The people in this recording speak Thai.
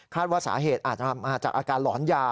ว่าสาเหตุอาจจะมาจากอาการหลอนยา